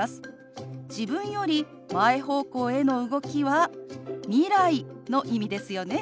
自分より前方向への動きは未来の意味ですよね。